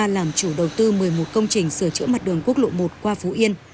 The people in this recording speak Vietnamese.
làm chủ đầu tư một mươi một công trình sửa chữa mặt đường quốc lộ một qua phú yên